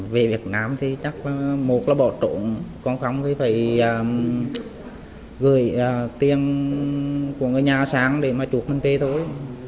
về việt nam thì chắc là một là bỏ trộn còn không thì phải gửi tiền của người nhà sang để mà chuộc mình về thôi